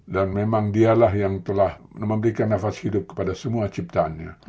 dan memang dialah yang telah memberikan nafas hidup kepada semua ciptaannya